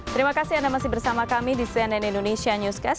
terima kasih anda masih bersama kami di cnn indonesia newscast